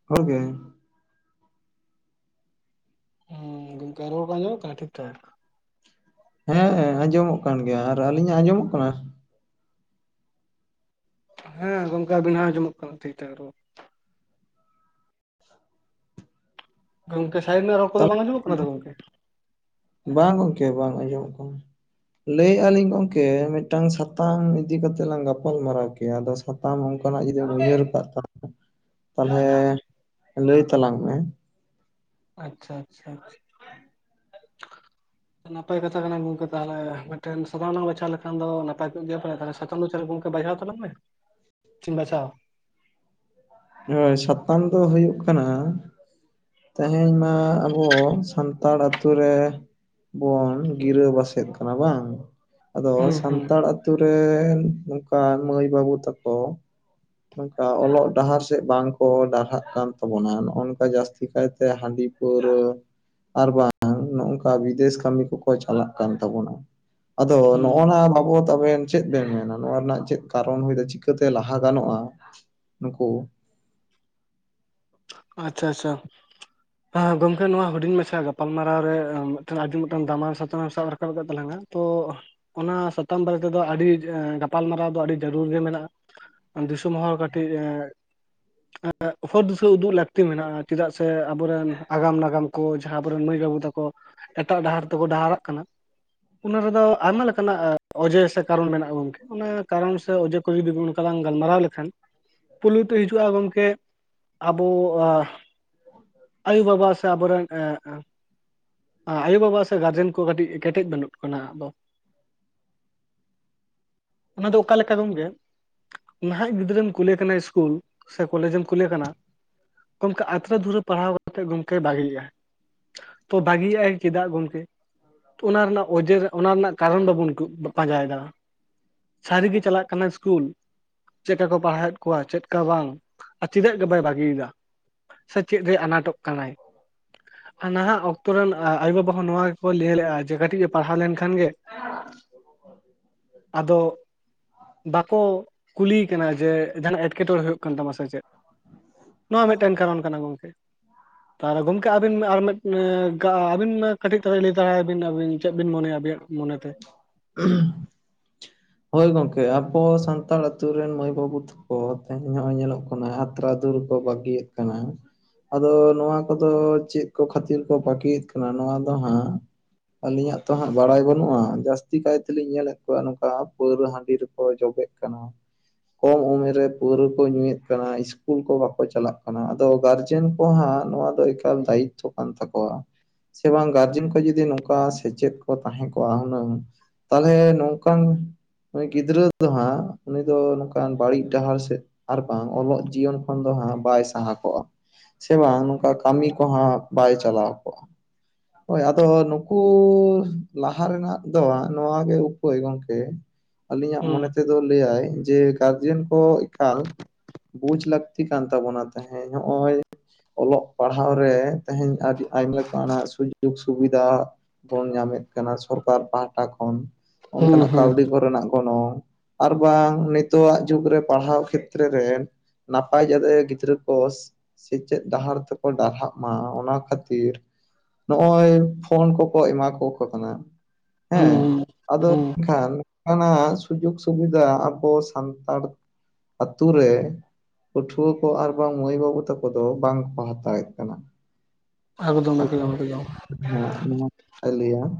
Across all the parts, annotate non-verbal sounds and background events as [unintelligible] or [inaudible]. [unintelligible] ᱦᱮᱸ ᱜᱚᱝᱠᱮ ᱨᱚᱲ ᱟᱡᱚᱢᱚᱜ ᱠᱟᱱᱟ ᱴᱷᱤᱠ ᱴᱷᱟᱠ? ᱦᱮᱸ ᱟᱸᱡᱚᱢᱚᱜ ᱠᱟᱱ ᱜᱮᱭᱟ ᱟᱨ ᱟᱹᱞᱤᱧᱟᱜ ᱟᱸᱡᱚᱢᱚᱜ ᱠᱟᱱᱟ? ᱦᱮᱸ ᱜᱚᱝᱠᱮ ᱟᱵᱤᱱ ᱟᱸᱡᱚᱢᱚᱜ ᱠᱟᱱᱟ ᱴᱷᱤᱠ ᱴᱷᱟᱠ ᱨᱚᱲ ᱜᱚᱝᱠᱮ ᱥᱟᱭᱤ ᱨᱮᱱᱟᱜ ᱨᱚᱲ ᱠᱚ ᱫᱚ ᱛᱟᱦᱚᱞᱮ ᱵᱟᱝᱸᱡᱚᱢᱚᱜ ᱠᱟᱱᱟ ᱛᱚ ᱜᱚᱝᱠᱮ? ᱵᱟᱝ ᱜᱚᱝᱠᱮ ᱵᱟᱝ ᱟᱸᱡᱚᱢᱚᱜ ᱠᱟᱱᱟ ᱞᱟᱹᱭᱮᱫᱼᱟ ᱞᱤᱧ ᱜᱚᱝᱠᱮ ᱢᱤᱫᱴᱟᱝ ᱥᱟᱛ ᱥᱟᱛᱟᱢ ᱤᱫᱤ ᱠᱟᱛᱮᱜ ᱞᱟᱝ ᱜᱟᱯᱟᱞ ᱢᱟᱨᱟᱣ ᱠᱮᱭᱟ ᱟᱫᱚ ᱥᱟᱛᱟᱢ ᱚᱱᱠᱟᱱᱟᱜ ᱡᱩᱫᱤᱢ ᱩᱭᱦᱟᱹᱨ ᱟᱠᱟᱫ ᱛᱟᱞᱦᱮ ᱞᱟᱹᱭ ᱛᱟᱞᱟᱝ ᱢᱮ ᱟᱪᱪᱷᱟ ᱟᱪᱪᱷᱟ ᱟᱪᱪᱷᱟ [unintelligible] ᱱᱟᱯᱟᱭ ᱠᱟᱛᱷᱟ ᱠᱟᱱᱟ ᱜᱚᱝᱠᱮ ᱛᱟᱦᱚᱞᱮ ᱥᱟᱫ ᱵᱟᱪᱷᱟᱣ ᱞᱮᱠᱷᱟᱱ ᱫᱚ ᱱᱟᱯᱟᱭ ᱠᱚᱜ ᱜᱮᱭᱟ᱾ ᱥᱟᱛᱟᱢ ᱫᱚ ᱛᱟᱞᱦᱮ ᱜᱚᱝᱠᱮ ᱵᱟᱪᱷᱟᱣ ᱛᱟᱞᱟᱝ ᱢᱮ ᱥᱤᱧ ᱵᱟᱪᱷᱟᱣᱼᱟ᱾ ᱦᱮ ᱥᱟᱛᱟᱢ ᱫᱚ ᱦᱳᱭᱳᱜ ᱠᱟᱱᱟ᱾ ᱛᱮᱦᱮᱧ ᱢᱟ ᱟᱵᱚ ᱥᱟᱱᱛᱟᱲ ᱟᱛᱳ ᱨᱮ ᱵᱚᱱ ᱜᱤᱨᱟᱹ ᱵᱟᱥᱚᱫ ᱠᱟᱱᱟ ᱵᱟᱝ ᱟᱫᱚ ᱦᱩᱸ ᱦᱩᱸ ᱥᱟᱱᱛᱟᱲ ᱟᱛᱳ ᱨᱮᱱ ᱱᱚᱝᱠᱟ ᱢᱟᱹᱭ ᱵᱟᱹᱵᱩ ᱛᱟᱠᱚ ᱱᱚᱝᱠᱟ ᱚᱞᱚᱜ ᱰᱟᱦᱟᱨ ᱥᱮ ᱪᱮᱫ ᱵᱟᱝᱠᱚ ᱰᱟᱦᱦᱟᱜ ᱠᱟᱱ ᱛᱟᱵᱚᱱᱟ ᱱᱚᱜᱼ ᱱᱚᱝᱠᱟ ᱡᱟᱹᱥᱛᱤ ᱠᱟᱭᱛᱮ ᱦᱟᱺᱰᱤ ᱯᱟᱹᱣᱨᱟᱹ ᱟᱨ ᱵᱟᱝ ᱱᱚᱝᱠᱟ ᱵᱤᱫᱮᱥ ᱠᱟᱹᱢᱤ ᱠᱚᱠᱚ ᱪᱟᱞᱟᱜ ᱠᱟᱱ ᱛᱟᱵᱚᱱᱟ᱾ ᱟᱫᱚ ᱱᱚᱜ ᱦᱩᱸ ᱱᱚᱣᱟ ᱵᱟᱵᱚᱛ ᱟᱵᱮᱱ ᱪᱮᱫ ᱵᱮᱱ ᱢᱮᱱᱟ ᱱᱚᱣᱟ ᱨᱮᱱᱟᱜ ᱪᱮᱫ ᱠᱟᱨᱚᱱ ᱪᱤᱠᱟᱹᱛᱮ ᱞᱟᱦᱟ ᱜᱟᱱᱚᱜᱼᱟ ᱱᱩᱠᱩ ᱟᱪᱪᱷᱟ ᱟᱪᱪᱷᱟ ᱦᱮᱸ ᱜᱚᱝᱠᱮ ᱱᱚᱣᱟ ᱦᱩᱰᱤᱧ ᱢᱟᱪᱷᱟ ᱜᱟᱯᱟᱞ ᱢᱟᱨᱟᱣ ᱨᱮ ᱢᱤᱫᱴᱟᱝ ᱟᱹᱰᱤ ᱢᱤᱫᱴᱟᱝ ᱫᱟᱢᱟᱱ ᱥᱟᱛᱟᱢ ᱥᱟᱵ ᱨᱟᱠᱟᱵ ᱟᱠᱟᱫ ᱛᱟᱞᱟᱝᱟ᱾ ᱛᱚ ᱚᱱᱟ ᱥᱟᱛᱟᱢ ᱵᱟᱨᱮ ᱛᱮ ᱫᱚ ᱟᱹᱰᱤ ᱜᱟᱯᱟᱞᱢᱟᱨᱟᱣ ᱫᱚ ᱟᱹᱰᱤ ᱡᱟᱹᱨᱩᱲ ᱜᱮ ᱢᱮᱱᱟᱜᱼᱟ᱾ ᱫᱤᱥᱚᱢ ᱦᱚᱲ ᱠᱟᱹᱴᱤᱡ ᱦᱚᱨ ᱫᱤᱥᱟᱹ ᱩᱫᱩᱜ ᱞᱮᱠᱟ ᱞᱟᱹᱠᱛᱤ ᱢᱮᱱᱟᱜᱼᱟ ᱪᱮᱫᱟᱜ ᱥᱮ ᱟᱵᱚᱨᱮᱱ ᱟᱜᱟᱢ ᱱᱟᱜᱟᱢ ᱠᱚ ᱡᱟᱦᱟᱸ ᱟᱵᱚᱮᱱ ᱢᱟᱹᱭ ᱵᱟᱹᱵᱩ ᱛᱟᱠᱚ ᱮᱴᱟᱜ ᱰᱟᱦᱟᱨ ᱛᱮᱠᱚ ᱰᱟᱦᱟᱨᱟᱜ ᱠᱟᱱᱟ᱾ ᱚᱱᱟ ᱨᱮᱫᱚ ᱟᱭᱢᱟ ᱞᱮᱠᱟᱱᱟᱜ ᱚᱡᱮ ᱥᱮ ᱠᱟᱨᱚᱱ ᱢᱮᱱᱟᱜᱼᱟ ᱜᱚᱝᱠᱮ ᱚᱱᱟ ᱠᱟᱨᱚᱱ ᱥᱮ ᱚᱡᱮ ᱡᱚᱫᱤ ᱚᱱᱠᱟ ᱞᱟᱝ ᱜᱟᱞᱢᱟᱨᱟᱣ ᱞᱮᱠᱷᱟᱱ ᱯᱩᱭᱞᱩ ᱛᱮ ᱦᱤᱡᱩᱜᱼᱟ ᱜᱚᱝᱠᱮ ᱟᱵᱚ ᱟᱭᱳ ᱵᱟᱵᱟ ᱥᱮ ᱟᱵᱚᱨᱮᱱ ᱮᱸᱻ ᱟᱭᱳᱼᱵᱟᱵᱟ ᱥᱮ ᱜᱟᱨᱡᱮᱱ ᱠᱚ ᱠᱟᱹᱴᱤᱡ ᱠᱮᱴᱮᱡ ᱵᱟᱹᱱᱩᱜ ᱠᱟᱱᱟ ᱫᱚ ᱚᱱᱟ ᱫᱚ ᱚᱠᱟ ᱞᱮᱠᱟ ᱜᱚᱢᱠᱮ ᱱᱟᱦᱟᱜ ᱜᱤᱫᱽᱨᱟᱹᱢ ᱠᱩᱞᱮ ᱠᱟᱱᱟ ᱤᱥᱠᱩᱞ ᱥᱮ ᱠᱚᱞᱮᱡᱽ ᱮᱢ ᱠᱩᱞᱮ ᱠᱟᱱᱟ᱾ ᱜᱚᱝᱠᱮ ᱟᱛᱨᱟ ᱫᱷᱩᱨᱟᱹ ᱯᱟᱲᱦᱟᱣ ᱠᱟᱛᱮᱫ ᱜᱚᱝᱠᱮ ᱵᱷᱟᱹᱜᱤᱜᱼᱟ ᱛᱚ ᱵᱷᱟᱹᱜᱤᱭᱮᱜ ᱟᱭ ᱪᱮᱫᱟᱜ ᱜᱚᱝᱠᱮ ᱚᱱᱟ ᱨᱮᱱᱟᱜ ᱚᱡᱮ ᱚᱱᱟ ᱨᱮᱱᱟᱜ ᱠᱟᱨᱚᱱ ᱵᱟᱵᱚᱱ ᱯᱟᱸᱡᱟᱭ ᱫᱟ᱾ ᱥᱟᱹᱨᱤ ᱜᱮ ᱪᱟᱞᱟᱜ ᱠᱟᱱᱟ ᱤᱥᱠᱩᱞ ᱪᱮᱫ ᱞᱮᱠᱟ ᱠᱚ ᱯᱟᱲᱦᱟᱣᱮᱫ ᱠᱚᱣᱟ ᱪᱮᱫ ᱠᱟ ᱵᱟᱝ ᱟᱨ ᱪᱮᱫᱟᱜ ᱜᱮ ᱵᱟᱭ ᱵᱟᱹᱜᱤᱭᱮᱫᱟ ᱥᱮ ᱪᱮᱫ ᱨᱮ ᱟᱱᱟᱴᱚᱜ ᱠᱟᱱᱟᱭ᱾ ᱱᱟᱦᱟᱜ ᱚᱠᱛᱚ ᱨᱮᱱ ᱟᱭᱳᱼ ᱵᱟᱵᱟ ᱦᱚᱸ ᱱᱚᱣᱟ ᱜᱮᱠᱚ ᱞᱟᱹᱭ ᱞᱮᱫᱼᱟ ᱡᱮ ᱠᱟᱹᱴᱤᱡ ᱮ ᱯᱟᱲᱦᱟᱣ ᱞᱮᱱᱠᱷᱟᱱ ᱜᱮ ᱟᱫᱚ ᱵᱟᱠᱚᱼᱼ ᱠᱩᱞᱤᱭᱮ ᱠᱟᱱᱟ ᱡᱮ ᱡᱟᱦᱟᱱᱟᱜ ᱮᱴᱠᱮᱴᱚᱲᱮ ᱦᱩᱭᱩᱜ ᱠᱟᱱ ᱛᱟᱢᱟ ᱥᱮ ᱪᱮᱫ? ᱱᱚᱣᱟ ᱢᱤᱫᱴᱮᱱ ᱠᱟᱨᱚᱱ ᱠᱟᱱᱟ ᱜᱚᱢᱠᱮ ᱛᱟᱦᱚᱞᱮ ᱜᱚᱢᱠᱮ ᱟᱵᱤᱱ ᱟᱨ ᱢᱤᱫᱴᱮᱱᱼᱼ ᱟᱹᱵᱤᱱ ᱢᱟ ᱠᱟᱹᱴᱤᱡ ᱛᱟᱞᱟᱝ ᱞᱟᱹᱭ ᱫᱟᱲᱟᱭ ᱵᱤᱱ ᱟᱵᱤᱱ ᱪᱮᱫ ᱵᱤᱱ ᱢᱚᱱᱮᱭᱟ ᱟᱵᱤᱱᱟᱜ ᱢᱚᱱᱮ ᱛᱮ? ᱦᱳᱭ ᱜᱚᱝᱠᱮ ᱟᱵᱚ ᱥᱟᱱᱛᱟᱲ ᱟᱛᱩ ᱨᱮᱱ ᱢᱟᱹᱭ ᱵᱟᱹᱵᱩ ᱛᱟᱠᱚᱼᱼ ᱛᱮᱦᱮᱧ ᱱᱚᱜᱼᱚᱭ ᱧᱮᱞᱚᱜ ᱠᱟᱱᱟ ᱟᱛᱨᱟᱫᱩᱨ ᱨᱮᱠᱚ ᱵᱟᱹᱜᱤᱭᱮᱫ ᱠᱟᱱᱟ᱾ ᱟᱫᱚ ᱱᱚᱣᱟ ᱠᱚᱫᱚ ᱪᱮᱫ ᱠᱚ ᱠᱷᱟᱹᱛᱤᱨ ᱠᱚ ᱯᱷᱟᱹᱠᱤᱭᱮᱫ ᱠᱟᱱᱟ ᱱᱚᱣᱟ ᱫᱚ ᱦᱟᱸᱜ ᱟᱹᱞᱤᱧᱟᱜ ᱛᱚ ᱦᱟᱸᱜ ᱵᱟᱲᱟᱭ ᱵᱟᱹᱱᱩᱜᱼᱼ ᱟ ᱡᱟᱹᱥᱛᱤ ᱠᱟᱭ ᱛᱮᱞᱤᱧ ᱧᱮᱞᱮᱫ ᱠᱚᱣᱟ ᱱᱚᱝᱠᱟ ᱯᱟᱹᱣᱨᱟᱹ ᱦᱟᱺᱰᱤ ᱨᱮᱠᱚ ᱡᱚᱵᱮᱜ ᱠᱟᱱᱟ᱾ ᱠᱚᱢ ᱩᱢᱮᱨ ᱨᱮ ᱯᱟᱹᱣᱨᱟᱹ ᱠᱚ ᱧᱩᱭᱮᱫ ᱠᱟᱱᱟ ᱤᱥᱠᱩᱞ ᱠᱚ ᱵᱟᱠᱚ ᱪᱟᱞᱟᱜ ᱠᱟᱱᱟ ᱟᱫᱚ ᱜᱟᱨᱡᱮᱱ᱾ ᱟᱠᱚ ᱦᱚᱸ ᱱᱚᱣᱟ ᱫᱚ ᱮᱠᱟᱞ ᱫᱟᱭᱤᱛᱛᱚ ᱠᱟᱱ ᱛᱟᱠᱚᱣᱟ᱾ ᱥᱮ ᱵᱟᱝ ᱜᱟᱨᱡᱮᱱ ᱠᱚ ᱡᱩᱫᱤ ᱱᱚᱝᱠᱟ ᱥᱮᱪᱮᱫ ᱠᱚ ᱛᱟᱦᱮᱸ ᱠᱚᱜᱼᱟ ᱦᱩᱱᱟᱹᱝ, ᱛᱟᱦᱚᱞᱮ ᱱᱚᱝᱠᱟᱱ ᱩᱱᱤ ᱜᱤᱫᱽᱨᱟᱹ ᱫᱚ ᱦᱟᱸᱜ ᱩᱱᱤ ᱫᱚ ᱱᱚᱝᱠᱟᱱ ᱵᱟᱹᱲᱤᱡ ᱰᱟᱦᱟᱨ ᱥᱮᱫᱼᱼ ᱟᱨ ᱵᱟᱝ ᱚᱞᱚᱜ ᱡᱤᱭᱚᱱ ᱠᱷᱚᱱ ᱫᱚ ᱦᱟᱸᱜ ᱵᱟᱭ ᱥᱟᱦᱟ ᱠᱚᱜᱼᱟ᱾ ᱥᱮ ᱵᱟᱝ ᱱᱚᱝᱠᱟ ᱠᱟᱹᱢᱤ ᱠᱚᱦᱚᱸ ᱵᱟᱭ ᱪᱟᱞᱟᱣ ᱠᱚᱜᱼᱟ᱾ ᱦᱳᱭ ᱟᱫᱚ ᱱᱩᱠᱩᱼᱼ ᱞᱟᱦᱟ ᱨᱮᱱᱟᱜ ᱫᱚ ᱱᱚᱣᱟ ᱜᱮ ᱩᱯᱟᱹᱭ ᱜᱚᱝᱠᱮ ᱟᱹᱞᱤᱧᱟᱜ ᱦᱩᱸ ᱢᱚᱱᱮᱼᱼ ᱛᱮᱫ ᱞᱟᱹᱭᱟᱭ ᱡᱮ ᱜᱟᱨᱡᱮᱱ ᱠᱚ ᱮᱠᱟᱞ ᱵᱩᱡ ᱞᱟᱠᱛᱤ ᱠᱟᱱ ᱛᱟᱵᱱᱟ ᱛᱮᱦᱮᱧ ᱱᱚᱜ ᱚᱭ ᱚᱞᱚᱜ ᱯᱟᱲᱦᱟᱣ ᱨᱮ ᱛᱮᱦᱮᱧ ᱟᱹᱰᱤ ᱟᱭᱢᱟ ᱞᱮᱠᱟᱱᱟᱜ ᱥᱩᱡᱳᱜ ᱥᱩᱵᱤᱫᱷᱟ᱾ ᱵᱚᱱ ᱧᱟᱢᱮᱫ ᱠᱟᱱᱟ ᱥᱚᱨᱠᱟᱨ ᱯᱟᱦᱴᱟ ᱠᱷᱚᱱ ᱦᱩᱸ ᱚᱱᱠᱟᱱᱟᱜ ᱠᱟᱹᱣᱰᱤ ᱦᱩᱸ ᱠᱚᱨᱮᱱᱟᱜ ᱜᱚᱱᱚᱝ ᱟᱨ ᱵᱟᱝ ᱱᱤᱛᱚᱜᱟᱜ ᱡᱩᱜᱽ ᱨᱮ ᱯᱟᱲᱦᱟᱣ ᱠᱷᱮᱛᱨᱮ ᱨᱮᱼᱼ ᱱᱟᱯᱟᱭ ᱡᱟᱛᱮ ᱜᱤᱫᱽᱨᱟᱹ ᱠᱚᱼᱼ ᱥᱮᱪᱮᱫ ᱰᱟᱦᱟᱨ ᱛᱮᱠᱚ ᱰᱟᱨᱦᱟᱜ ᱢᱟ ᱚᱱᱟ ᱠᱷᱟᱹᱛᱤᱨᱼᱼ ᱱᱚᱜᱼᱚᱭ ᱯᱷᱳᱱ ᱠᱚᱠᱚ ᱮᱢᱟ ᱠᱚᱣᱟᱠᱚ ᱠᱟᱱᱟ ᱦᱮᱸ ᱦᱩᱸ ᱟᱫᱚᱼᱼ ᱦᱩᱸ ᱮᱱᱠᱷᱟᱱ ᱱᱚᱝᱠᱟᱱᱟᱜ ᱥᱩᱡᱳᱜᱽ ᱥᱩᱵᱤᱫᱷᱟ ᱟᱵᱚ ᱥᱟᱱᱛᱟᱲᱼᱼ ᱟᱛᱩ ᱨᱮ ᱯᱟᱹᱴᱷᱩᱣᱟᱹ ᱠᱚ ᱟᱨ ᱵᱟᱝ ᱢᱟᱹᱭ ᱵᱟᱹᱵᱩ ᱛᱟᱠᱚ ᱫᱚ ᱵᱟᱝ ᱠᱚ ᱦᱟᱛᱟᱣᱮᱫ ᱠᱟᱱᱟ᱾ [unintelligible] ᱦ ᱟᱞᱭᱟ [unintelligible]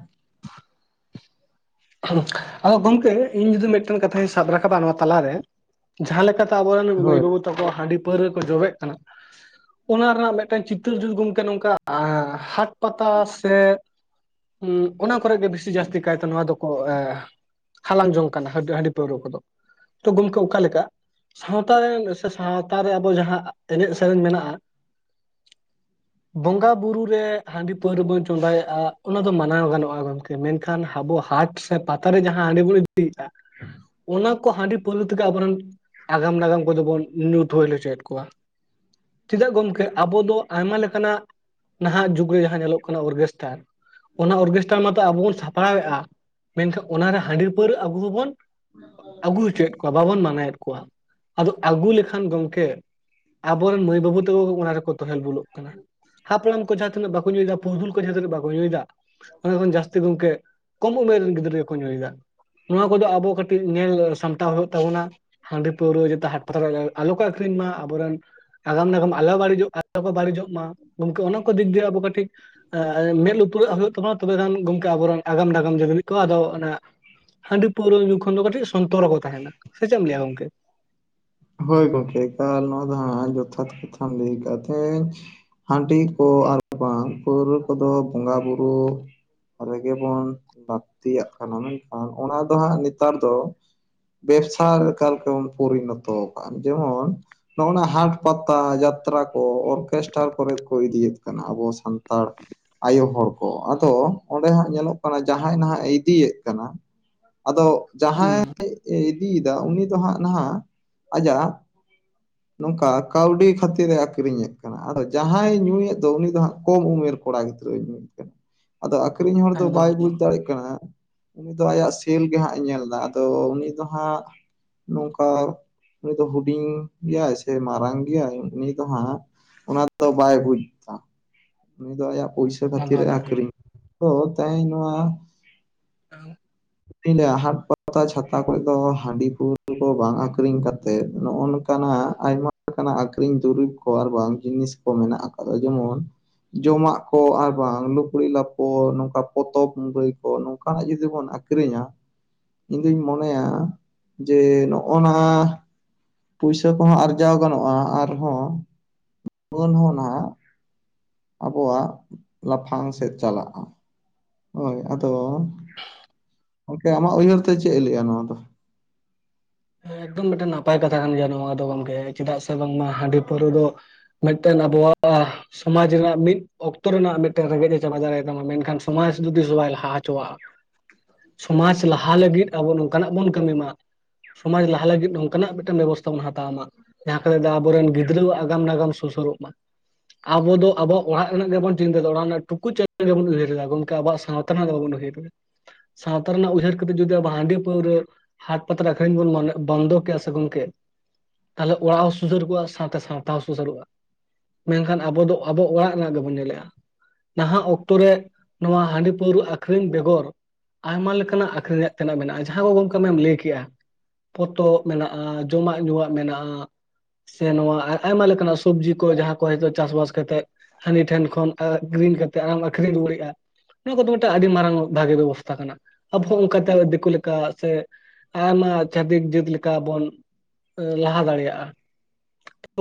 ᱟᱫᱚ ᱜᱚᱢᱠᱮ ᱤᱧ ᱡᱩᱫᱤ ᱢᱤᱫᱴᱮᱱ ᱠᱟᱛᱷᱟᱧ ᱥᱟᱵ ᱨᱟᱠᱟᱵᱟ ᱱᱚᱣᱟ ᱛᱟᱞᱟᱨᱮ, ᱡᱟᱦᱟᱸ ᱞᱮᱠᱟᱛᱮ ᱟᱵᱚᱨᱮᱱ ᱢᱟᱹᱭ ᱦᱳᱭ ᱵᱟᱹᱵᱩ ᱛᱟᱠᱚ ᱦᱟᱺᱰᱤ ᱯᱟᱹᱣᱨᱟᱹ ᱨᱮᱠᱚ ᱡᱚᱵᱮᱜ ᱠᱟᱱᱟ᱾ ᱚᱱᱟ ᱨᱮᱱᱟᱜ ᱢᱤᱫᱴᱮᱱ ᱪᱤᱛᱟᱹᱨ ᱡᱩᱫᱤ ᱜᱚᱢᱠᱮ ᱱᱚᱝᱠᱟ ᱦᱟᱴ ᱯᱟᱛᱟ ᱥᱮᱼᱼ ᱦᱮᱸ ᱚᱱᱟ ᱠᱚᱨᱮ ᱜᱮ ᱵᱮᱥᱤ ᱡᱟᱹᱥᱛᱤ ᱠᱟᱭᱛᱮ ᱱᱚᱣᱟ ᱫᱚᱠᱚ᱾ ᱦᱟᱞᱟᱝ ᱡᱚᱝ ᱠᱟᱱᱟ ᱦᱟᱺ ᱦᱟᱺᱰᱤ ᱯᱟᱹᱣᱨᱟᱹ ᱠᱚᱫᱚ ᱛᱚ ᱜᱚᱢᱠᱮ ᱚᱠᱟ ᱞᱮᱠᱟ᱾ ᱥᱟᱶᱛᱟ ᱨᱮᱱ ᱥᱮ ᱥᱟᱶᱛᱟ ᱨᱮ ᱟᱵᱚ ᱡᱟᱦᱟᱸ ᱮᱱᱮᱡ ᱥᱮᱨᱮᱧ ᱢᱮᱱᱟᱜᱼᱟ᱾ [inaudible] ᱵᱚᱸᱜᱟ ᱵᱩᱨᱩ ᱨᱮ ᱦᱟᱺᱰᱤ ᱯᱟᱹᱣᱨᱟᱹ ᱵᱚᱱ ᱪᱚᱸᱫᱟᱭᱮᱫᱼᱟ ᱚᱱᱟ ᱫᱚ ᱢᱟᱱᱟᱣ ᱜᱟᱱᱚᱜᱼᱟ ᱜᱚᱢᱠᱮ ᱢᱮᱱ ᱠᱷᱟᱱ ᱟᱵᱚ ᱦᱟᱴᱼᱼ ᱥᱮ ᱯᱟᱛᱟᱨᱮ ᱡᱟᱦᱟᱸ ᱦᱟᱺᱰᱤ ᱵᱚᱱ ᱤᱫᱤᱭᱮᱫᱼᱟ ᱚᱱᱟᱼᱼ ᱠᱚ ᱦᱟᱺᱰᱤ ᱯᱟᱹᱣᱨᱟᱹ ᱛᱮᱜᱮ ᱟᱵᱚᱨᱮᱱ ᱟᱜᱟᱢ ᱱᱟᱜᱟᱢ ᱠᱚᱫᱚ ᱵᱚᱱ ᱧᱩ ᱛᱳᱦᱮᱞ ᱦᱚᱪᱚᱭᱮᱫ ᱠᱚᱣᱟ᱾ ᱪᱮᱫᱟᱜ ᱜᱚᱢᱠᱮ ᱟᱵᱚ ᱫᱚ ᱟᱭᱢᱟ ᱞᱮᱠᱟᱱᱟᱜ᱾ ᱱᱟᱦᱟᱜ ᱡᱩᱜᱽ ᱨᱮ ᱡᱟᱦᱟᱸ ᱧᱮᱞᱚᱜ ᱠᱟᱱᱟ ᱚᱨᱜᱮᱥᱴᱟᱨ ᱚᱱᱟ ᱚᱨᱜᱮᱥᱴᱟᱨ ᱢᱟᱛᱚ ᱟᱵᱚ ᱵᱚᱱ ᱥᱟᱯᱲᱟᱣ ᱮᱫᱼᱟ᱾ ᱢᱮᱱᱠᱷᱟᱱ ᱚᱱᱟᱨᱮ ᱦᱟᱺᱰᱤ ᱯᱟᱹᱣᱨᱟᱹ ᱟᱵᱩ ᱦᱚᱵᱚᱱ ᱟᱹᱜᱩ ᱦᱚᱪᱚᱭᱮᱫ ᱠᱚᱣᱟ᱾ ᱵᱟᱵᱚᱱ ᱢᱟᱱᱟᱣᱭᱮᱫ ᱠᱚᱣᱟ ᱟᱫᱚ ᱟᱹᱜᱩ ᱞᱮᱠᱷᱟᱱ ᱜᱚᱝᱠᱮ ᱟᱵᱚᱨᱮᱱ ᱢᱟᱹᱭ ᱵᱟᱹᱵᱩ ᱛᱟᱠᱚ ᱚᱱᱟ ᱨᱮᱠᱚ ᱛᱮᱦᱮᱞ ᱵᱩᱞᱩᱜ ᱠᱟᱱᱟ ᱦᱟᱯᱲᱟᱢ ᱠᱚ ᱡᱟᱦᱟᱸ ᱛᱤᱱᱟᱹᱜ ᱵᱟᱠᱚ ᱠᱚ ᱧᱩᱭ ᱫᱟ ᱯᱩᱨᱫᱷᱩᱞ ᱠᱚ ᱡᱟᱦᱟᱸ ᱛᱱᱟᱹᱜ ᱵᱟ ᱧᱩᱭᱫᱟ ᱚᱱᱟ ᱠᱷᱚᱱ ᱡᱟᱹᱥᱛᱤ ᱜᱚᱝᱠᱮ ᱠᱚᱢ ᱩᱢᱮᱨ ᱨᱮᱱ ᱜᱤ ᱨᱟᱹ ᱠᱚ ᱧᱩᱭᱫᱟ ᱱᱚᱣᱟ ᱠᱚᱫᱚ ᱟᱵᱚ ᱠᱟᱹᱴᱤᱡ ᱧᱮᱞ ᱥᱟᱢᱴᱟᱣ ᱦᱩᱭᱩᱜ ᱛᱟᱵᱚᱱᱟ ᱦᱟᱺᱰᱤ ᱯᱟᱹᱣᱨᱟᱹ ᱡᱟᱛᱮ ᱦᱟᱴ ᱯᱟᱛᱟ ᱟᱞᱚ ᱠᱚ ᱟᱹᱷᱨᱤᱧ ᱢᱟ ᱟᱵᱚᱨᱮᱱ ᱟᱜᱟᱢ ᱱᱟᱜᱟᱢ ᱟᱞᱚ ᱵᱟᱹᱲᱤᱡᱚᱜ ᱟᱞᱚ ᱠᱚ ᱵᱟᱹᱲᱤᱡᱚᱜ ᱢᱟ ᱚᱱᱟ ᱠᱚ ᱫᱤᱠ ᱫᱤᱭᱮ ᱟᱵᱚ ᱠᱟᱹᱴᱤᱠ ᱢᱮᱫ ᱞᱩᱛᱩᱨᱟᱜ ᱦᱩᱭᱩᱜ ᱛᱟᱢᱟ ᱛᱚᱵᱮ ᱱᱟᱜ ᱜᱚᱝᱠᱮ ᱟᱵᱚᱨᱮᱱ ᱟᱜᱟᱢ ᱱᱟᱜᱟᱢ ᱡᱩᱫᱤ ᱛᱚ ᱟᱫᱚ ᱚᱱᱟ ᱦᱟᱺᱰᱤ ᱯᱟᱹᱣᱨᱟᱹ ᱧᱩ ᱠᱷᱚᱱ ᱫᱚ ᱠᱟᱹᱴᱤᱡ ᱥᱚᱱᱛᱚᱨ ᱦᱚᱸᱠᱚ ᱛᱟᱦᱮᱱᱟ ᱥᱮ ᱪᱮᱫ ᱮᱢ ᱞᱟᱹᱭᱟ ᱜᱚᱝᱠᱮ ᱦᱳᱭ ᱜᱚᱝᱠᱮ ᱮᱠᱟᱞ ᱱᱚᱣᱟ ᱫᱚ ᱦᱟᱜ ᱡᱚᱛᱷᱟᱛ ᱠᱟᱛᱷᱟᱢ ᱞᱟᱹᱭ ᱟᱠᱟᱫ ᱛᱮᱦᱮᱸᱧ ᱦᱟᱺᱰᱤ ᱠᱚ ᱟᱨ ᱵᱟᱝ ᱯᱟᱹᱣᱨᱟᱹ ᱠᱚᱫᱚ ᱵᱚᱸᱜᱟ ᱵᱩᱨᱩ ᱨᱮᱜᱮ ᱵᱚᱱ ᱞᱟᱹᱠᱛᱤᱭᱟᱜ ᱠᱟᱱᱟ ᱢᱮᱱᱠᱷᱟᱱ ᱚᱱᱟ ᱫᱚ ᱦᱟᱸᱜ ᱱᱮᱛᱟᱨ ᱫᱚ ᱵᱮᱵᱥᱟ ᱞᱮᱠᱟᱞᱮᱠᱟ ᱵᱚᱱ ᱯᱚᱨᱤᱱᱚᱛᱚ ᱟᱠᱟᱜᱼᱟ ᱡᱮᱢᱚᱱ ᱱᱚᱜᱱᱟ ᱦᱟᱴ ᱯᱟᱛᱟ ᱡᱟᱛᱨᱟ ᱠᱚ ᱚᱨᱠᱮᱥᱴᱨᱟ ᱠᱚᱨᱮᱫ ᱠᱚ ᱤᱫᱤᱭᱮᱫ ᱠᱟᱱᱟ ᱟᱵᱚ ᱥᱟᱱᱛᱟᱲ ᱟᱭᱳ ᱦᱚᱲ ᱠᱚ ᱟᱫᱚ ᱚᱸᱰᱮ ᱦᱟᱸᱜ ᱧᱮᱞᱚᱜ ᱠᱟᱱᱟ ᱡᱟᱦᱟᱸᱭ ᱱᱟᱦᱟᱜ ᱤᱫᱤᱭᱮᱫ ᱠᱟᱱᱟ ᱟᱫᱚ ᱦᱩᱸ ᱡᱟᱦᱟᱸᱭ ᱤᱫᱤᱭᱮᱫᱟ ᱩᱱᱤ ᱫᱚ ᱦᱟᱸᱜ ᱱᱟᱦᱟᱜ ᱟᱡᱟᱜ ᱚᱝᱠᱟ ᱠᱟᱹᱣᱰᱤ ᱠᱷᱟᱹᱛᱤᱨ ᱮ ᱟᱠᱷᱨᱤᱧᱮᱫ ᱠᱟᱱᱟ ᱟᱫᱚ ᱡᱟᱦᱟᱸᱭ ᱧᱩᱭᱮᱫ ᱫᱚ ᱩᱱᱤ ᱫᱚ ᱦᱟᱸᱜ ᱠᱚᱢ ᱩᱢᱮᱨ ᱠᱚ ᱠᱚᱲᱟ ᱜᱤᱫᱽᱨᱟᱹ ᱧᱩ ᱠᱟᱱᱟ ᱟᱫᱚ ᱟᱠᱷᱨᱤᱧ ᱦᱚᱲ ᱫᱚ ᱮᱠᱫᱚᱢ ᱮᱠᱫᱚᱢ ᱵᱟᱭ ᱵᱩᱡᱽ ᱫᱟᱲᱮᱜ ᱠᱟᱱᱟ ᱩᱱᱤ ᱫᱚ ᱟᱭᱟᱜ ᱥᱮᱞ ᱜᱮ ᱦᱟᱜ ᱮ ᱧᱮᱞ ᱫᱟ ᱟᱫᱚ ᱩᱱᱤ ᱫᱚ ᱦᱟᱸᱜ ᱱᱚᱝᱠᱟ ᱩᱱᱤ ᱫᱚ ᱦᱩᱰᱤᱧ ᱜᱮᱭᱟᱭ ᱥᱮ ᱢᱟᱨᱟᱝ ᱜᱮᱭᱟᱭ ᱩᱱᱤ ᱫᱚ ᱦᱟᱸᱜ ᱚᱱᱟ ᱫᱚ ᱵᱟᱭ ᱵᱩᱡᱽ ᱫᱟ ᱩᱱᱤ ᱫᱚ ᱟᱭᱟᱜ ᱯᱚᱭᱥᱟ ᱚᱱᱟ ᱠᱷᱟᱹᱛᱤᱨ ᱫᱚ ᱮ ᱦᱮᱸ ᱟᱠᱷᱨᱤᱧᱟ ᱛᱚ ᱛᱮᱦᱮᱧ ᱱᱚᱣᱟ [inaudible] ᱦᱟᱴ ᱯᱟᱛᱟ ᱪᱷᱟᱛᱟ ᱠᱚᱨᱮ ᱫᱚ ᱦᱟᱺᱰᱤ ᱯᱟᱹᱣᱟᱹ ᱠᱚ ᱵᱟᱝ ᱟᱠᱷᱨᱤᱧ ᱠᱟᱛᱮᱫ ᱱᱚᱜᱼᱚ ᱱᱚᱝᱠᱟ ᱟᱭᱢᱟ ᱞᱮᱠᱟᱱᱟᱜ ᱟᱠᱷᱨᱤᱧ ᱫᱩᱨᱤᱵᱽ ᱠᱚ ᱟᱨ ᱵᱟᱝ ᱡᱤᱱᱤᱥ ᱠᱚ ᱢᱮᱱᱟᱜ ᱟᱠᱟᱫᱟ ᱡᱮᱢᱚᱱ ᱡᱚᱢᱟᱜ ᱠᱚ ᱟᱨ ᱵᱟᱝ ᱞᱩᱜᱽᱲᱤ ᱞᱟᱯᱚ ᱱᱚᱝᱠᱟ ᱯᱚᱛᱚᱵ ᱢᱩᱨᱟᱹᱭ ᱠᱚ ᱱᱚᱝᱠᱟᱱᱟᱜ ᱡᱩᱫᱤ ᱵᱚᱱ ᱟᱹ ᱟᱹᱠᱷᱨᱤᱧᱟ ᱤᱧ ᱫᱩᱧ ᱢᱚᱱᱮᱭᱟ ᱡᱮ ᱱᱚᱜᱚᱱᱟ ᱯᱩᱭᱥᱟᱹ ᱠᱚᱦᱚᱸ ᱟᱨᱡᱟᱣ ᱜᱟᱱᱚᱜᱼᱟ ᱟᱨᱦᱚᱸ ᱞᱟᱹᱱ ᱦᱚᱸ ᱱᱟᱦᱟᱜ ᱟᱵᱚᱣᱟᱜ ᱞᱟᱯᱷᱟᱝ ᱥᱮᱫ ᱪᱟᱞᱟᱜᱼᱟ ᱦᱳᱭ ᱟᱫᱚ ᱜᱚᱝᱠᱮ ᱟᱢᱟᱜ ᱩᱭᱦᱟᱹᱨ ᱛᱮ ᱪᱮᱫ ᱮ ᱞᱟᱹᱭᱟ ᱱᱚᱣᱟ ᱫᱚ ᱮᱠᱫᱚᱢ ᱢᱤᱫᱴᱮᱱ ᱱᱟᱯᱟᱭ ᱠᱟᱛᱷᱟ ᱠᱟᱱ ᱜᱮᱭᱟ ᱱᱚᱣᱟ ᱫᱚ ᱜᱚᱝᱠᱮ ᱪᱮᱫᱟᱜ ᱥᱮ ᱵᱟᱝᱢᱟ ᱦᱟᱺᱰᱤ ᱯᱟᱹᱣᱨᱟᱹ ᱫᱚ ᱢᱮᱜᱴᱮᱱ ᱟᱵᱚᱣᱟᱜ ᱥᱚᱢᱟᱡᱽ ᱨᱮᱱᱟᱜ ᱢᱤᱫ ᱚᱠᱛᱚ ᱨᱮᱱᱟᱜ ᱢᱤᱫᱴᱮᱱ ᱨᱮᱸᱜᱮᱡ ᱮ ᱪᱟᱵᱟ ᱫᱟᱲᱮ ᱭᱟᱛᱟᱢᱟ ᱢᱮᱱᱠᱷᱟᱱ ᱥᱚᱢᱟᱡᱽ ᱫᱚ ᱛᱤᱥ ᱦᱚ ᱵᱟᱭ ᱞᱟᱦᱟ ᱦᱚᱪᱚᱣᱟᱜᱼᱟ ᱥᱚᱢᱟᱡ ᱞᱟᱦᱟ ᱞᱟᱹᱜᱤᱫ ᱟᱵᱚ ᱱᱚᱝᱠᱟᱱᱟᱜ ᱵᱚᱱ ᱠᱟᱹᱢᱤ ᱢᱟ ᱥᱚᱢᱟᱡᱽ ᱞᱟᱦᱟ ᱞᱟᱹᱜᱤᱫ ᱱᱚᱝᱠᱟᱱᱟᱜ ᱢᱤᱫᱴᱮᱱ ᱵᱮᱵᱚᱥᱛᱷᱟ ᱵᱚᱱ ᱦᱟᱛᱟᱣ ᱢᱟ ᱡᱟᱦᱟᱸ ᱠᱚᱨᱮ ᱫᱚ ᱟᱵᱚᱨᱮᱱ ᱜᱤᱫᱽᱨᱟᱹᱣᱟᱜ ᱟᱜᱟᱢ ᱱᱟᱜᱟᱢ ᱥᱩᱥᱟᱹᱨᱚᱜ ᱢᱟ ᱟᱵᱚ ᱫᱚ ᱟᱵᱚᱣᱟᱜ ᱚᱲᱟᱜ ᱨᱮᱱᱟᱜ ᱜᱮᱵᱚᱱ ᱪᱤᱱᱛᱟᱹᱮᱫᱟ ᱚᱲᱟᱜ ᱨᱮᱱᱟᱜ ᱴᱩᱠᱩᱡ ᱪᱮᱞᱟᱝ ᱜᱮᱵᱚᱱ ᱩᱭᱦᱟᱹᱨ ᱮᱫᱟ ᱜᱚᱝᱠᱮ ᱟᱵᱚᱣᱟᱜ ᱥᱟᱶ ᱛᱮᱱᱟᱜ ᱫᱚ ᱰᱟᱰᱚᱱ ᱩᱭᱦᱟᱹᱨ ᱫᱚ ᱥᱟᱶᱛᱟ ᱨᱮᱱᱟᱜ ᱩᱭᱦᱟᱹᱨ ᱠᱟᱛᱮᱤ ᱦᱟᱺᱰᱤ ᱯᱟᱹᱣᱨᱟᱹ ᱦᱟᱴ ᱯᱟ ᱟᱹᱷᱨᱤᱧ ᱵᱚᱱ ᱵᱚᱱᱫᱚ ᱠᱮᱭᱟ ᱥᱮ ᱜᱚᱝᱠᱮ ᱛᱟᱦᱞᱮ ᱚᱲᱟᱜ ᱦᱚᱸ ᱥᱩᱫᱟᱹᱨᱚᱜᱼᱟ ᱥᱟᱶᱛᱮ ᱥᱟᱶᱛᱟ ᱦᱚᱸ ᱥᱩᱫᱟᱹᱨᱚᱜᱼᱟ ᱢᱮᱱᱠᱷᱟᱱ ᱟᱵᱚ ᱫᱚ ᱟᱵᱚ ᱚᱲᱟᱜ ᱨᱮᱱᱟᱜ ᱜᱮᱵᱚᱱ ᱧᱮᱞᱮᱜᱼᱟ ᱱᱟᱦᱟᱜ ᱚᱠᱛᱚ ᱨᱮ ᱱᱚᱣᱟ ᱦᱟᱺᱰᱤ ᱯᱟᱹᱣᱨᱟᱹ ᱟᱹᱷᱨᱤᱧ ᱵᱮᱜᱚᱨ ᱟᱭᱢᱟ ᱞᱮᱠᱟᱱᱟᱜ ᱟᱠᱷᱨᱤᱧᱟᱜ ᱛᱮᱱᱟᱜ ᱢᱮᱱᱟᱜᱼᱟ ᱡᱟᱦᱟᱸ ᱠᱚ ᱜᱚᱝᱠᱮᱡ ᱟᱢᱮᱢ ᱞᱟᱹᱭ ᱠᱮᱜᱼᱟ ᱯᱚᱛᱚᱵ ᱢᱮᱱᱟᱜᱼᱟ ᱡᱚᱢᱟᱜ ᱧᱩᱣᱟᱜ ᱢᱮᱱᱟᱜᱼᱟ ᱥᱮ ᱱᱚᱣᱟ ᱟᱭᱢᱟ ᱞᱮᱠᱟᱱᱟᱜ ᱥᱚᱵᱡᱤ ᱠᱚ ᱡᱟᱦᱟᱸ ᱠᱚ ᱦᱚᱭᱛᱚ ᱪᱟᱥᱵᱟᱥ ᱠᱟᱛᱮᱜ ᱦᱹᱟᱹᱱᱤ ᱴᱷᱮᱱ ᱠᱷᱚᱱ ᱟᱹᱠᱷᱨᱤᱧ ᱠᱟᱛᱮ ᱟᱨᱚᱢ ᱟᱠᱷᱨᱤᱧ ᱨᱩᱣᱟᱹᱲᱮᱜᱼᱟ᱾ ᱱᱚᱣᱟ ᱠᱚᱫᱚ ᱢᱤᱫᱴᱟᱝ ᱟᱹᱰᱤ ᱢᱟᱨᱟᱝ ᱵᱷᱟᱜᱮ ᱵᱮᱵᱚ ᱥᱛᱷᱟ ᱠᱟᱱᱟ ᱟᱵᱚᱸ ᱚᱱᱠᱟ ᱛᱮ ᱫᱤᱠᱩ ᱞᱮᱠᱟ ᱥᱮᱼᱼ ᱟᱭᱢᱟ ᱪᱷᱟᱹᱛᱤᱠ ᱡᱟᱹᱛ ᱞᱮᱠᱟ ᱵᱚᱱ ᱞᱟᱦᱟ ᱫᱟᱲᱮᱭᱟᱜᱼᱟ᱾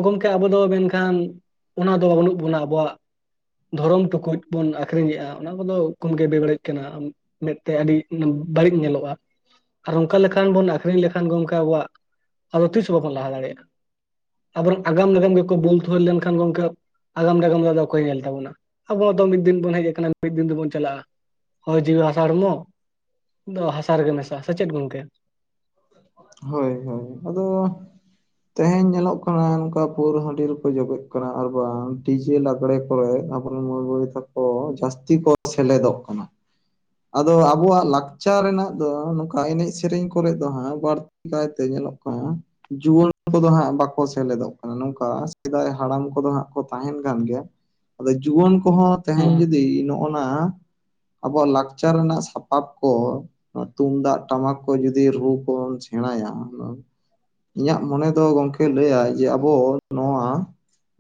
ᱜᱚᱝᱠᱮ ᱟᱵᱚ ᱫᱚ ᱢᱮᱱᱠᱷᱟᱱ ᱚᱱᱟ ᱫᱚ ᱵᱟᱹᱱᱩᱜ ᱵᱚᱱᱟ ᱟᱵᱚᱣᱟᱜ ᱫᱷᱚᱨᱚᱢ ᱴᱩᱠᱩᱡ ᱵᱚᱱ ᱟᱠᱷᱨᱤᱧᱮᱫᱼᱟ ᱚᱱᱟ ᱠᱚᱫᱚ ᱠᱚᱢ ᱜᱮ ᱵᱮᱵᱟᱹᱲᱤᱡ ᱠᱟᱱᱟ᱾ ᱢᱮᱛᱮ ᱟᱹᱰᱤ ᱵᱟᱹᱲᱤᱡ ᱧᱮᱞᱚᱜᱼᱟ᱾ ᱟᱨ ᱚᱱᱠᱟ ᱞᱮᱠᱷᱟᱱ ᱵᱚᱱ ᱟᱠᱷᱨᱤᱧ ᱞᱮᱠᱷᱟᱱ ᱜᱚᱝᱠᱮ ᱟᱵᱚᱣᱟᱜᱼᱼ ᱟᱫᱚ ᱛᱤᱥ ᱦᱚᱸ ᱵᱟᱵᱚᱱ ᱞᱟᱦᱟ ᱫᱟᱲᱮᱭᱟᱜᱼᱟ ᱟᱵᱚᱨᱚᱝ ᱟᱜᱟᱢ ᱱᱟᱜᱟᱢ ᱜᱮᱠᱚ ᱵᱳᱛᱷᱳ ᱞᱮᱱᱠᱷᱟᱱ ᱜᱚᱝᱠᱮᱼᱼ ᱟᱜᱟᱢ ᱱᱟᱜᱟᱢ ᱨᱮ ᱚᱠᱚᱭ ᱧᱮᱞ ᱛᱟᱵᱚᱱᱟ ᱟᱵᱚᱣᱟᱜ ᱫᱚ ᱢᱤᱫ ᱫᱤᱱ ᱵᱚᱱ ᱦᱮᱡ ᱟᱠᱟᱱᱟ ᱢᱤᱫ ᱫᱤᱱ ᱫᱚᱵᱚᱱ ᱪᱟᱞᱟᱜᱼᱟ᱾ ᱦᱳᱭ ᱡᱤᱣᱤ ᱦᱟᱥᱟᱲ ᱦᱚᱲᱢᱚ ᱫᱚ ᱦᱟᱥᱟ ᱨᱮᱜᱮ ᱢᱮᱥᱟᱜᱼᱟ ᱥᱮ ᱪᱮᱫ ᱜᱚᱝᱠᱮ? ᱦᱳᱭ ᱦᱳᱭ ᱟᱫᱚᱼᱼ ᱛᱮᱦᱮᱧ ᱧᱮᱞᱚᱜ ᱠᱟᱱᱟ ᱚᱱᱠᱟ ᱯᱳᱨᱳ ᱦᱟᱺᱰᱤ ᱨᱮᱠᱚ ᱡᱚᱵᱮᱜ ᱠᱟᱱᱟ ᱟᱨ ᱵᱟᱝ ᱰᱤᱡᱮ ᱞᱟᱜᱽᱲᱮᱼᱼ ᱠᱚᱨᱮ ᱟᱵᱚᱨᱮᱱ ᱢᱟᱹᱭ ᱵᱟᱹᱭ ᱛᱟᱠᱚ ᱡᱟᱹᱥᱛᱤ ᱠᱚ ᱥᱮᱞᱮᱫᱚᱜ ᱠᱟᱱᱟ᱾ ᱟᱫᱚ ᱟᱵᱚᱣᱟᱜ ᱞᱟᱠᱪᱟᱨ ᱨᱮᱱᱟᱜ ᱫᱚ ᱱᱚᱝᱠᱟ ᱮᱱᱮᱡ ᱥᱮᱨᱮᱧ ᱠᱚᱨᱮᱼᱼ ᱦᱟᱜ ᱵᱟᱹᱲᱛᱤ ᱠᱟᱭᱛᱮ ᱧᱮᱞᱚᱜ ᱠᱟᱱᱟ᱾ ᱡᱩᱣᱟᱹᱱ ᱠᱚᱫᱚ ᱦᱟᱸᱜ ᱵᱟᱠᱚ ᱥᱮᱞᱮᱫᱚᱜ ᱠᱟᱱᱟ ᱱᱚᱝᱠᱟ ᱥᱮᱫᱟᱭ ᱦᱟᱲᱟᱢ ᱠᱚᱫᱚ ᱦᱟᱸᱜ ᱠᱚ ᱛᱟᱦᱮᱱ ᱠᱟᱱ ᱜᱮᱭᱟ᱾ ᱟᱫᱚ ᱡᱩᱣᱟᱹᱱ ᱠᱚᱦᱚᱸ ᱛᱮᱦᱮᱧ ᱦᱩᱸ ᱡᱩᱫᱤ ᱱᱚ ᱼᱼ ᱚᱱᱟ ᱟᱵᱚᱣᱟᱜ ᱞᱟᱠᱪᱟᱨ ᱨᱮᱱᱟᱜ ᱥᱟᱯᱟᱯ ᱠᱚ ᱛᱩᱢᱫᱟᱜ ᱴᱟᱢᱟᱠ ᱠᱚ ᱡᱩᱫᱤᱼᱼ ᱫᱤ ᱨᱩ ᱠᱚ ᱥᱮᱬᱟᱭᱟ᱾ ᱤᱧᱟᱹᱜ ᱢᱚᱱᱮ ᱫᱚ ᱜᱚᱝᱠᱮ ᱞᱟᱹᱟᱭ ᱡᱮ ᱟᱵᱚ ᱱᱚᱣᱟ,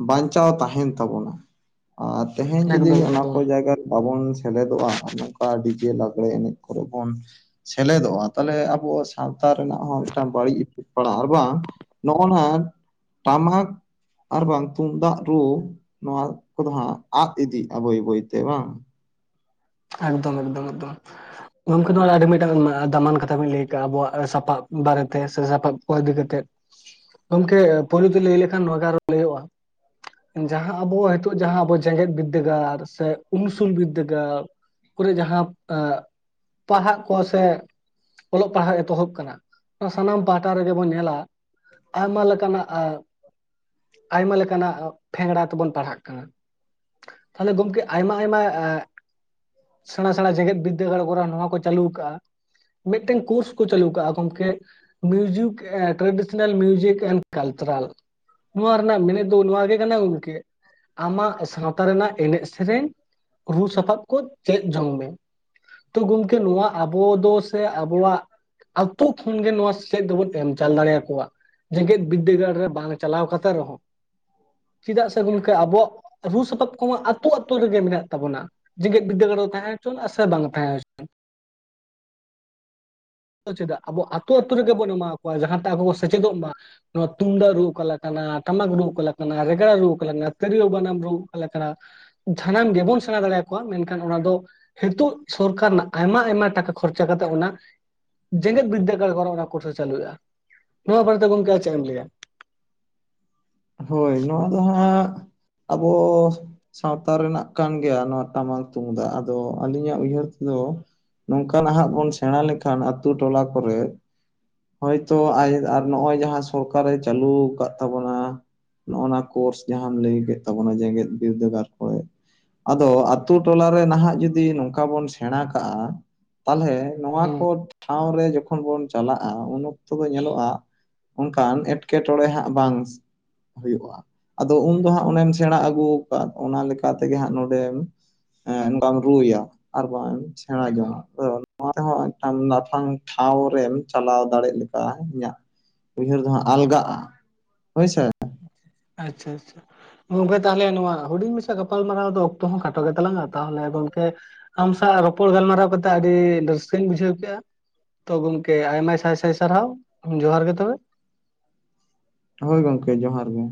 ᱵᱟᱧᱪᱟᱣ ᱛᱟᱦᱮᱱ ᱛᱟᱵᱚᱱᱟ ᱟᱨ ᱛᱮᱦᱮᱧ ᱡᱚᱫᱤ ᱮᱠᱫᱚᱢ ᱚᱱᱟ ᱮᱠᱫᱚᱢ ᱡᱟᱭᱼᱼ ᱵᱟᱵᱚᱱ ᱥᱮᱞᱮᱫᱚᱜᱼᱟ ᱱᱚᱝᱠᱟ ᱰᱤᱡᱮ ᱞᱟᱜᱽᱲᱮ ᱮᱱᱮᱡ ᱠᱚᱨᱮ ᱵᱚᱱ ᱥᱮᱞᱮᱫᱚᱜᱼᱟ ᱛᱟᱞᱦᱮᱼᱼ ᱟᱵᱚᱣᱟᱜ ᱥᱟᱶᱛᱟ ᱨᱮᱱᱟᱜ ᱦᱚᱸ ᱢᱤᱫᱴᱟᱝ ᱵᱟᱹᱲᱤᱡ ᱤᱯᱷᱮᱠᱴ ᱯᱟᱲᱟᱜᱼᱟ ᱵᱟᱝ ᱱᱚᱜᱼᱚ ᱱᱟ᱾ ᱴᱟᱢᱟᱠ ᱟᱨ ᱵᱟᱝ ᱛᱩᱢᱫᱟᱜ ᱨᱩ ᱱᱚᱣᱟ ᱠᱚᱫᱚ ᱦᱟᱸᱜ ᱟᱫ ᱤᱫᱤᱜᱼᱟ ᱵᱟᱹᱭ ᱵᱟᱹᱭ ᱛᱮ ᱵᱟᱝ? ᱮᱠᱫᱚᱢ ᱮᱠᱫᱚᱢ ᱮᱠᱫᱚᱢ ᱜᱚᱝᱠᱮ ᱱᱚᱣᱟ ᱟᱹᱰᱤ ᱢᱤᱫᱴᱟᱝ ᱫᱟᱢᱟᱱ ᱠᱟᱛᱷᱟ ᱵᱤᱱ ᱞᱟᱹᱭ ᱠᱟᱜ ᱟᱵᱚᱣᱟᱜ ᱥᱟᱯᱟᱵ ᱵᱟᱨᱮ ᱛᱮ ᱥᱮ ᱥᱟᱯᱟᱵᱼᱼ ᱚᱨ ᱤᱫᱤ ᱠᱟᱛᱮᱫ ᱜᱚᱢᱠᱮ ᱯᱳᱭᱞ ᱛᱮ ᱞᱟᱹᱭ ᱞᱮᱠᱷᱟᱱ ᱱᱚᱣᱟᱨᱚ ᱞᱟᱹᱭᱼᱟ᱾ ᱡᱟᱦᱟᱸ ᱟᱵᱚ ᱱᱤᱛᱚᱜ ᱡᱟᱦᱟᱸ ᱟᱵᱚ ᱡᱮᱜᱮᱛ ᱵᱤᱫᱽᱫᱟᱹᱜᱟᱲ ᱥᱮ ᱩᱱᱥᱩᱞ ᱵᱤᱫᱽᱫᱟᱹᱜᱟᱲ, ᱠᱚᱨᱮ ᱡᱟᱦᱟᱸ ᱯᱟᱲᱦᱟᱜ ᱠᱚ ᱥᱮᱼᱼ ᱚᱞᱚᱜ ᱯᱟᱲᱦᱟᱜ ᱮᱛᱚᱦᱚᱵ ᱠᱟᱱᱟ ᱚᱱᱟ ᱥᱟᱱᱟᱢ ᱯᱟᱦᱴᱟ ᱨᱮᱜᱮ ᱵᱚᱱ ᱧᱮᱞᱟ᱾ ᱟᱭᱢᱟ ᱞᱮᱠᱟᱱᱟᱜᱼᱼ ᱟᱭᱢᱟ ᱞᱮᱠᱟᱱᱟᱜ ᱯᱷᱮᱝᱲᱟ ᱛᱮᱵᱚᱱ ᱯᱟᱲᱦᱟᱜ ᱠᱟᱱᱟ᱾ ᱛᱟᱦᱞᱮ ᱜᱚᱢᱠᱮ ᱟᱭᱢᱟ ᱟᱭᱢᱟᱼᱼ ᱥᱮᱬᱟ ᱥᱮᱬᱟ ᱡᱮᱜᱮᱫ ᱵᱤᱫᱽᱫᱟᱹᱜᱟᱲ ᱠᱚ ᱱᱚᱣᱟ ᱠᱚ ᱪᱟᱹᱩ ᱟᱠᱟᱫᱼᱟ᱾ ᱢᱤᱫ ᱴᱮᱱ ᱠᱳᱨᱥ ᱠᱚ ᱪᱟᱹᱞᱩ ᱟᱠᱟᱟᱜᱼᱟ ᱜᱚᱢᱠᱮ ᱢᱤᱭᱡᱤᱠᱼᱼ ᱴᱨᱰᱤᱥᱱᱟᱞ ᱢᱤᱭᱩᱥᱤᱠ ᱮᱱ ᱠᱟᱞ ᱪᱟᱨᱟᱞ ᱱᱚᱣᱟ ᱨᱮᱱᱟᱜ ᱢᱮᱱᱮᱫ ᱫᱚ ᱱᱚᱣᱟ ᱜᱮ ᱠᱟᱱᱟ ᱜᱚᱝᱠᱮ ᱟᱢᱟᱜ ᱥᱟᱶᱛᱟ ᱨᱮᱱᱟᱜ ᱮᱱᱮᱡ ᱥᱮᱨᱮᱧ ᱨᱩ ᱥᱟᱯᱟᱵ ᱠᱚᱼᱼ ᱪᱮᱫ ᱡᱚᱝ ᱢᱮ ᱛᱚ ᱜᱚᱢᱠᱮ ᱱᱚᱣᱟ ᱟᱵᱚ ᱫᱚᱼᱼ ᱥᱮ ᱟᱵᱚᱣᱟᱜ ᱟᱛᱳ ᱠᱷᱚᱱ ᱜᱮ ᱱᱚᱣᱟ ᱥᱮᱪᱮᱫ ᱫᱚᱵᱚᱱ ᱮᱢ ᱫᱟ ᱪᱟᱞ ᱫᱟᱲᱮᱭᱟ ᱠᱚᱣᱟ ᱡᱮᱜᱮᱛ ᱵᱤᱫᱽᱫᱟᱹᱜᱟᱲ ᱨᱮ ᱵᱟᱝ ᱪᱟᱞᱟᱣ ᱠᱟᱛᱮ ᱨᱮᱦᱚᱸᱼᱼ ᱪᱮ ᱫᱟᱜ ᱥᱮ ᱜᱚᱝᱠᱮ ᱟᱵᱚᱣᱟᱜᱼᱼ ᱨᱩ ᱥᱟᱯᱟᱵ ᱠᱚ ᱟᱛᱳ ᱟᱛᱳ ᱨᱮᱜᱮ ᱢᱮᱱᱟᱜ ᱛᱟᱵᱚᱱᱟ ᱡᱮᱜᱮᱛ ᱵᱤᱫᱽᱫᱟᱹᱜᱟᱲ ᱨᱮ ᱛᱟᱦᱮᱸ ᱦᱚᱪᱚᱣᱟᱜ ᱥᱮ ᱵᱟᱝ ᱛᱟᱦᱮᱸ ᱦᱚᱪᱚᱼᱼ ᱪᱮᱫᱟᱜ ᱟᱵᱚ ᱟᱹᱛᱩ ᱟᱹᱛᱩ ᱨᱮᱜᱮ ᱵᱚᱱ ᱮᱢᱟ ᱠᱚᱣᱟ ᱡᱟᱦᱟᱸᱛᱮ ᱟᱵᱚ ᱠᱚ ᱥᱮᱪᱮᱫᱚᱜᱼᱟ᱾ ᱱᱚᱣᱟ ᱛᱩᱢᱫᱟᱜ ᱨᱩ ᱚᱠᱟ ᱞᱮᱠᱟᱱᱟ, ᱴᱟᱢᱟᱠ ᱨᱩ ᱚᱠᱟ ᱞᱮᱠᱟᱱᱟ, ᱨᱮᱜᱽᱲᱟ ᱨᱩ ᱚᱠᱟ ᱞᱮᱠᱟᱱᱟ, ᱛᱤᱨᱭᱳ ᱵᱟᱱᱟᱢ ᱨᱩ ᱚᱠᱟ ᱞᱮᱠᱟᱱᱟ? ᱥᱟᱱᱟᱢ ᱜᱮᱵᱚᱱ ᱥᱮᱬᱟ ᱫᱟᱲᱮᱭᱟ ᱠᱚᱣᱟ ᱢᱮᱱᱠᱷᱟᱱ ᱚᱱᱟ ᱫᱚ ᱦᱤᱛᱳᱜ ᱥᱚᱨᱠᱟᱨ ᱨᱮᱱᱟᱜ ᱟᱭᱢᱟ ᱟᱭᱢᱟ ᱴᱟᱠᱟ ᱠᱷᱚᱨᱪᱟ ᱠᱟᱛᱮ ᱚᱱᱟ ᱡᱮᱜᱮᱛ ᱵᱤᱫᱽᱫᱟᱹᱜᱟᱲ ᱠᱷᱚᱱ ᱚᱱᱟ ᱠᱳᱨᱥ ᱮ ᱪᱟᱹᱞᱩᱭᱮᱜ-ᱟ, ᱱᱚᱣᱟ ᱵᱟᱨᱮᱛᱮ ᱜᱚᱝᱠᱮ ᱟᱢ ᱪᱮᱫ ᱮᱢ ᱞᱟᱹᱭᱟ? ᱦᱳᱭ ᱱᱚᱣᱟ ᱫᱚ ᱦᱟᱸᱜ ᱟᱵᱚ ᱥᱟᱶᱛᱟ ᱨᱮᱱᱟᱜ ᱠᱟᱱ ᱜᱮᱭᱟ ᱱᱚᱣᱟ ᱴᱟᱢᱟᱠ ᱛᱩᱢᱫᱟᱜ, ᱟᱫᱚ ᱟᱹᱞᱤᱧᱟᱜ ᱩᱭᱦᱟᱹᱨ ᱛᱮᱫᱚ ᱱᱚᱝᱠᱟ ᱱᱟᱦᱟᱜ ᱵᱚᱱ ᱥᱮᱬᱟ ᱞᱮᱠᱷᱟᱱ ᱟᱛᱳ ᱴᱚᱞᱟ ᱠᱚᱨᱮ ᱦᱳᱭᱛᱚ ᱟᱭ ᱟᱨ ᱱᱚᱜ-ᱚᱭ ᱡᱟᱦᱟᱸ ᱥᱚᱨᱠᱟᱨᱮ ᱪᱟᱹᱟᱞᱩᱣᱟᱠᱟᱫ ᱛᱟᱵᱚᱱᱟ ᱱᱚᱜ-ᱚᱱᱟ ᱠᱳᱨᱥ ᱡᱟᱦᱟᱸᱢ ᱞᱟᱹᱭ ᱠᱮᱫ ᱛᱟᱵᱚᱱᱟ ᱡᱮᱜᱮᱛ ᱵᱤᱨᱫᱟᱹᱜᱟᱲ ᱠᱚᱨᱮ ᱟᱫᱚ ᱟᱛᱳ ᱴᱚᱞᱟ ᱨᱮ ᱱᱟᱦᱟᱜ ᱡᱩᱫᱤ ᱱᱚᱝᱠᱟ ᱵᱚᱱ ᱥᱮᱬᱟ ᱠᱟᱜ-ᱟ ᱛᱟᱞᱦᱮ ᱚᱱᱟ ᱠᱚ ᱦᱮᱸ ᱴᱷᱟᱶ ᱨᱮ ᱡᱚᱠᱷᱚᱱ ᱵᱚᱱ ᱪᱟᱞᱟᱜ-ᱟ ᱩᱱ ᱚᱠᱛᱚ ᱫᱚ ᱧᱮᱞᱚᱜ-ᱟ ᱚᱝᱠᱟᱱ ᱮᱸᱴᱠᱮᱴᱚᱬᱮ ᱦᱟᱸᱜ ᱵᱟᱝᱥ ᱦᱩᱭᱩᱜ-ᱟ᱾ ᱟᱫᱚ ᱩᱱᱫᱚ ᱦᱟᱸᱜ ᱚᱱᱮᱢ ᱥᱮᱬᱟ ᱟᱹᱜᱩ ᱟᱠᱟᱫ ᱚᱱᱟ ᱞᱮᱠᱟ ᱛᱮᱜᱮ ᱦᱟᱸᱜ ᱱᱚᱰᱮᱢ ᱦᱮᱸ ᱱᱚᱝᱠᱟᱢ ᱨᱩᱭᱟ ᱟᱨ ᱵᱟᱝ ᱥᱮᱬᱟ ᱮᱠᱫᱚᱢ ᱡᱚᱝᱟ᱾ ᱟᱫᱚ ᱱᱚᱣᱟ ᱨᱮᱦᱚᱸ ᱢᱤᱫᱴᱟᱝ ᱞᱟᱯᱷᱟᱝ ᱴᱷᱟᱶ ᱨᱮᱢ ᱪᱟᱞᱟᱣ ᱫᱟᱲᱮᱜ ᱞᱮᱠᱟ ᱤᱧᱟᱜ ᱩᱭᱦᱟᱹᱨ ᱫᱚ ᱦᱟᱸᱜ ᱟᱞᱜᱟᱜ-ᱟ ᱦᱳᱭ ᱥᱮ᱾ ᱟᱪᱪᱷᱟ ᱟᱪᱪᱷᱟ᱾ ᱜᱚᱝᱠᱮ ᱛᱟᱦᱞᱮ ᱱᱚᱣᱟ ᱦᱩᱰᱤᱧ ᱢᱟᱪᱷᱟ ᱜᱟᱯᱟᱞᱢᱟᱨᱟᱣ ᱫᱚ ᱚᱠᱛᱚ ᱦᱚᱸ ᱠᱷᱟᱴᱚ ᱜᱮ ᱛᱞᱟᱝᱟ ᱛᱟᱦᱞᱮ ᱜᱚᱝᱠᱮ ᱟᱢ ᱥᱟᱶ ᱨᱚᱯᱚᱲ ᱜᱟᱞᱢᱟᱨᱟᱣ ᱠᱟᱛᱮᱜ ᱟᱹᱰᱤ ᱨᱟᱹᱥᱠᱟᱹᱧ ᱵᱩᱡᱷᱟᱹᱣ ᱠᱮᱜ-ᱟ᱾ ᱛᱚ ᱜᱚᱝᱠᱮ ᱟᱭᱢᱟ ᱥᱟᱭ ᱥᱟᱭ ᱥᱟᱨᱦᱟᱣ ᱡᱚᱦᱟᱨ ᱜᱮ ᱛᱚᱵᱮ᱾ ᱦᱳᱭ ᱜᱚᱝᱠᱮ ᱡᱚᱦᱟᱨ ᱜᱮ᱾